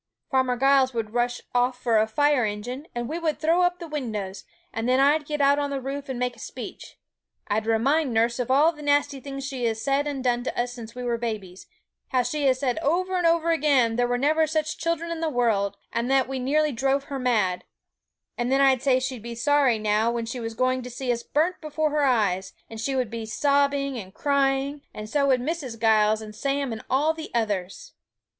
Farmer Giles would rush off for a fire engine; we would throw up the windows, and then I'd get out on the roof and make a speech. I'd remind nurse of all the nasty things she has said and done to us since we were babies; how she has said over and over again there never were such children in the world, and that we nearly drove her mad; and then I'd say she'd be sorry now when she was going to see us burnt before her eyes; and she would be sobbing and crying, and so would Mrs. Giles and Sam and all the others!'